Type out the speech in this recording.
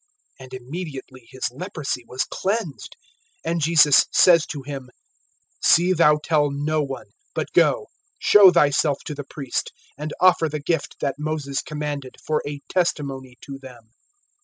And immediately his leprosy was cleansed. (4)And Jesus says to him: See thou tell no one; but go, show thyself to the priest, and offer the gift that Moses commanded, for a testimony to them.